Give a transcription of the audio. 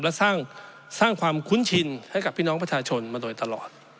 และสร้างความคุ้นชินให้กับพี่น้องประชาชนมาโดยตลอด